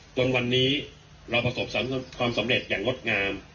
จนวันนี้เราประสบความสำเร็จอย่างงดงาม